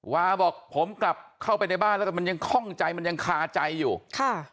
วาบอกผมกลับเข้าไปในบ้านแล้วแต่มันยังคล่องใจมันยังคาใจอยู่ค่ะ